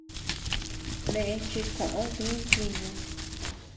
Neʼe chi koʼö di ntiñu.